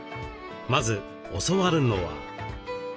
まず教わるのは。